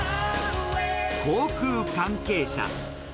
航空関係者。